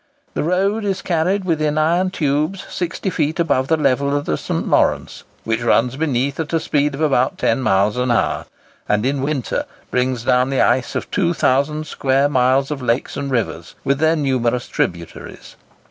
The road is carried within iron tubes 60 feet above the level of the St. Lawrence, which runs beneath at a speed of about ten miles an hour, and in winter brings down the ice of two thousand square miles of lakes and rivers, with their numerous tributaries.